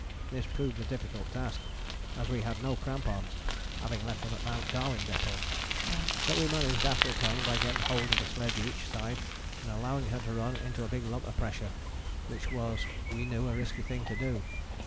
This proved a difficult task, as we had no crampons, having left them at Mt. Darwin Depôt; but we managed after a time by getting hold of the sledge each side and allowing her to run into a big lump of pressure which was we knew a risky thing to do.